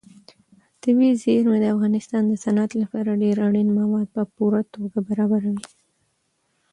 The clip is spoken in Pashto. طبیعي زیرمې د افغانستان د صنعت لپاره ډېر اړین مواد په پوره توګه برابروي.